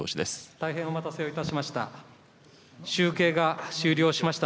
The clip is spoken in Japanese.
大変お待たせをいたしました。